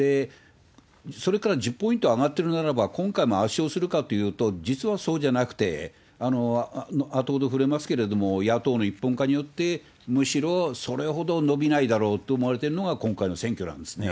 それから１０ポイント上がってるならば、今回も圧勝するかっていうと、実はそうじゃなくて、あとほど触れますけれども、野党の一本化によって、むしろそれほど伸びないだろうと思われているのが今回の選挙なん